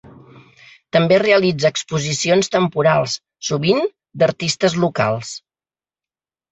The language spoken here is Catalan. També realitza exposicions temporals, sovint d'artistes locals.